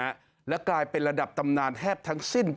มีนักร้องลูกทุ่งดังมากมายเนี่ยผ่านการปลูกปั้นมาจากพ่อวัยพจน์เพชรสุพรณนะฮะ